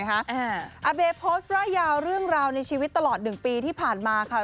อาเบโพสต์ร่ายยาวเรื่องราวในชีวิตตลอด๑ปีที่ผ่านมาค่ะ